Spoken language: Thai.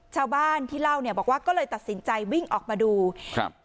ชาวบ้านที่เล่าเนี่ยบอกว่าก็เลยตัดสินใจวิ่งออกมาดูครับ